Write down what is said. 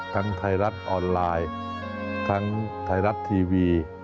ไทยรัฐออนไลน์ทั้งไทยรัฐทีวี